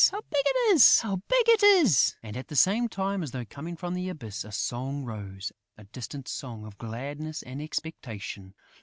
"How big it is!..." And, at the same time, as though coming from the abyss, a song rose, a distant song of gladness and expectation.